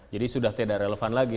jadi sudah tidak relevan lagi